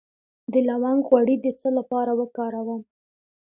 د لونګ غوړي د څه لپاره وکاروم؟